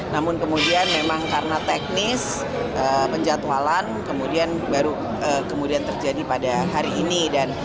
namun kemudian memang karena teknis penjadwalan kemudian terjadi pada hari ini